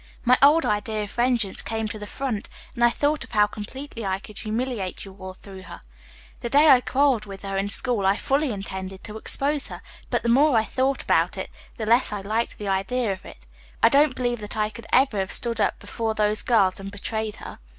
"My old idea of vengeance came to the front, and I thought of how completely I could humiliate you all through her. The day I quarreled with her in school I fully intended to expose her, but the more I thought about it, the less I liked the idea of it. I don't really believe that I could ever have stood up before those girls and betrayed her."